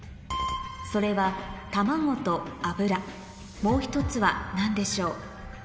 それは卵と油もう１つは何でしょう？